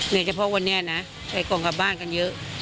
เฉพาะวันนี้นะใช้กล่องกลับบ้านกันเยอะ